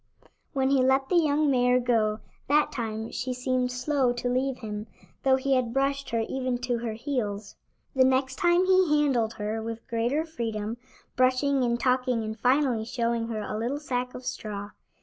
When he let the young mare go that time she seemed slow to leave him, though he had brushed her even to her heels. The next time he handled her with greater freedom, brushing and talking and finally showing her a little sack of straw.